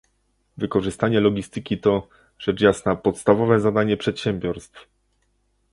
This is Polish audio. Wykorzystanie logistyki to, rzecz jasna, podstawowe zadanie przedsiębiorstw